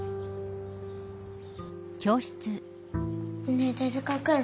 ねえ手塚くん。